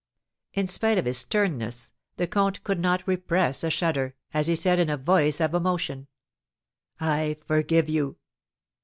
In spite of his sternness, the comte could not repress a shudder, as he said, in a voice of emotion: "I forgive you."